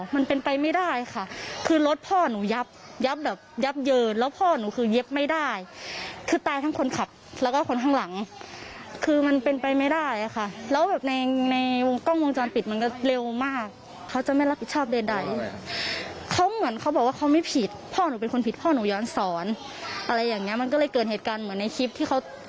มันก็เลยเกินเหตุการณ์เหมือนในคลิปที่เขาตีกันอะไรอย่างนี้